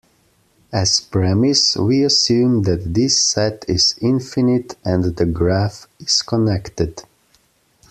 As premise, we assume that this set is infinite and the graph is connected.